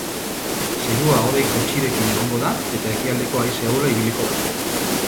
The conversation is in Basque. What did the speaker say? Zerua hodei gutxirekin egongo da eta ekialdeko haize ahula ibiliko da.